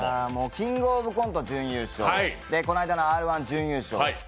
「キングオブコント」準優勝、この間の「Ｒ−１」準優勝。